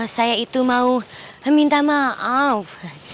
saya itu mau meminta maaf